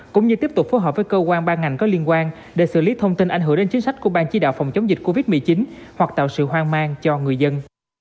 cũng như tiếp tục phối hợp với cơ quan ban ngành có liên quan để xử lý thông tin ảnh hưởng đến chính sách của bang chỉ đạo phòng chống dịch covid một mươi chín hoặc tạo sự hoang mang cho người dân